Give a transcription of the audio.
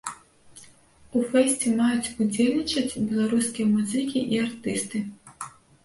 У фэсце маюць удзельнічаць беларускія музыкі і артысты.